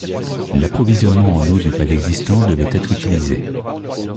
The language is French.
L'approvisionnement en eau du pad existant devait être utilisé.